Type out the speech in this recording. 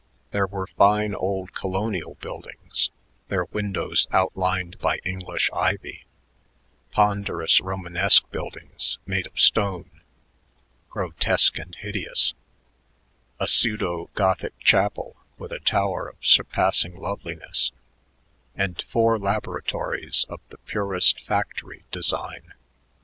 There were fine old colonial buildings, their windows outlined by English ivy; ponderous Romanesque buildings made of stone, grotesque and hideous; a pseudo Gothic chapel with a tower of surpassing loveliness; and four laboratories of the purest factory design.